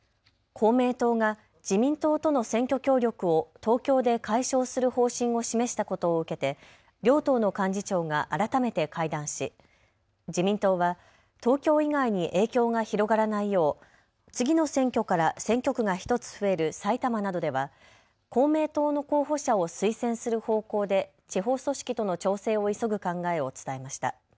公明党が自民党との選挙協力を東京で解消する方針を示したことを受けて両党の幹事長が改めて会談し自民党は東京以外に影響が広がらないよう次の選挙から選挙区が１つ増える埼玉などでは公明党の候補者を推薦する方向で地方組織との調整を急ぐ考えを伝えました。